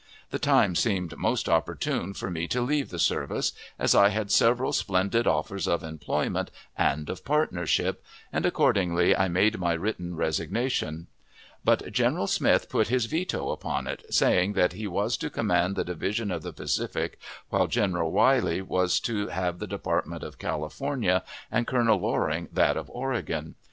The time seemed most opportune for me to leave the service, as I had several splendid offers of employment and of partnership, and, accordingly, I made my written resignation; but General Smith put his veto upon it, saying that he was to command the Division of the Pacific, while General Riley was to have the Department of California, and Colonel Loring that of Oregon.